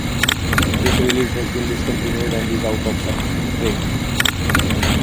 This release has been discontinued and is out of print.